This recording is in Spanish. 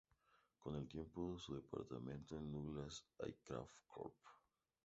Con el tiempo, su departamento en Douglas Aircraft Corp.